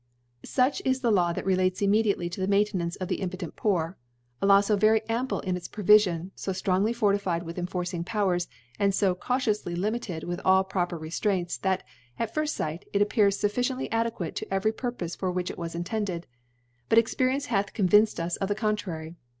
StKh is the Law that relates immediately tfi the Maintenance of the impotent Poor ; a taw fo very ample in its ProvifitMi, foftrong* ^ Chflp. 8, ly I { 6?) ly fortified with enforcrng Powers, and fo cautioufty limited with all proper Rcftra'mts, that, at firft Sight, it appears ftrffrcicntly adequate to every Purpofe for which it was inrrended, tm Experience hath convinced us of the contrary.